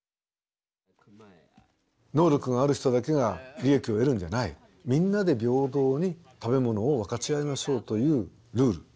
能力がある人だけが利益を得るんじゃないみんなで平等に食べ物を分かち合いましょうというルール。